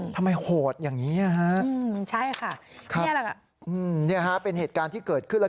ผู้หญิงก็พยายามจะสู้นะครับหูกฟันกระหน่ำคุณทำไมโหดอย่างนี้ฮะค่ะเป็นเหตุการณ์ที่เกิดขึ้นแล้ว